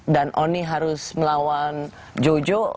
dan oni harus melawan jojo